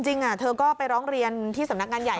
จริงเธอก็ไปร้องเรียนที่สำนักงานใหญ่